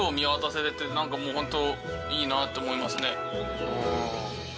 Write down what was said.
なんかもうホントいいなと思いますね。